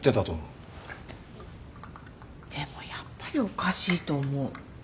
でもやっぱりおかしいと思う。